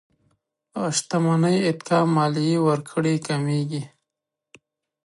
شتمنۍ اتکا ماليې ورکړې کمېږي.